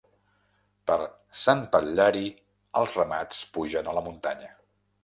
Per Sant Patllari els ramats pugen a la muntanya.